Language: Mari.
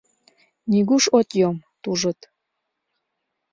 Нигуш от йом!» — тужыт.